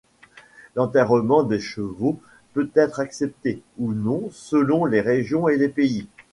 L'enterrement des chevaux peut être accepté, ou non, selon les régions et les pays.